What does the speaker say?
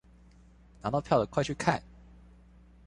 拿到票的快去看